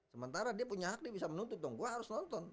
sementara dia punya hak dia bisa menuntut dong gue harus nonton